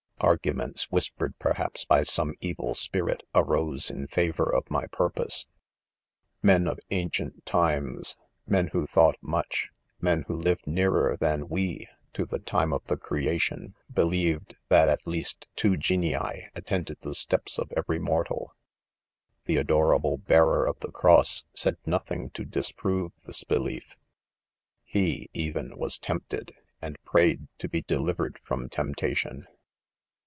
Arguments, whis pered, perhaps, by some evil spirit, arose in favor of my purpose. 4 Men of ancient times, — men who thought much, men who lived nearer than we to the time of the creation, believed, that at least, two genii attended the steps of every mortal The "adorable bearer of the cross said nothing to disprove this belief y. — he, even, was tempted, and prayed to be delivered from temptation.